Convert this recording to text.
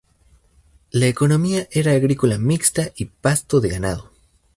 La economía era agrícola mixta y pasto de ganado.